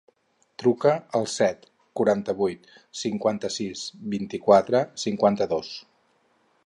Truca al set, quaranta-vuit, cinquanta-sis, vint-i-quatre, cinquanta-dos.